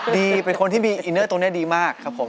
เป็นคนที่มีอินเนอร์ตรงนี้ดีมากครับผม